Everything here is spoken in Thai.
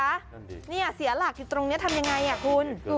นั่นดิเนี่ยเสียหลักอยู่ตรงนี้ทำยังไงอ่ะคุณ